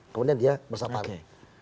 kemudian dia bersapari